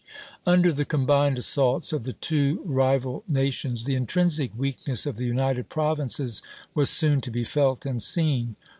Under the combined assaults of the two rival nations, the intrinsic weakness of the United Provinces was soon to be felt and seen.